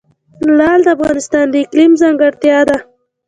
لعل د افغانستان د اقلیم ځانګړتیا ده.